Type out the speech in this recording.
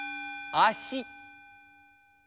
足。